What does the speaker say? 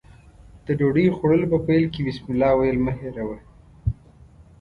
د ډوډۍ خوړلو په پیل کې بسمالله ويل مه هېروه.